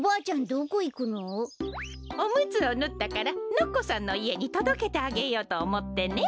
どこいくの？おむつをぬったからのっこさんのいえにとどけてあげようとおもってね。